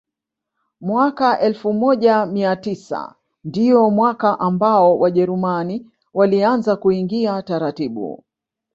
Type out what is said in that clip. Mwaka elfu moja mia tisa ndio mwaka ambao Wajerumani walianza kuingia taratibu